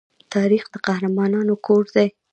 تاریخ د قهرمانانو کور دی.